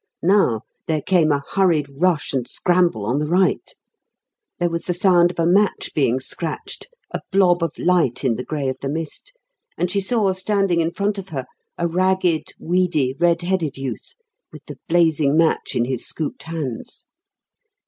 Now there came a hurried rush and scramble on the right; there was the sound of a match being scratched, a blob of light in the grey of the mist, and she saw standing in front of her, a ragged, weedy, red headed youth, with the blazing match in his scooped hands.